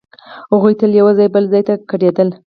هغوی تل له یوه ځایه بل ځای ته کډېدل.